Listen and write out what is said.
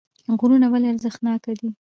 غرونه ولې ارزښتناکه دي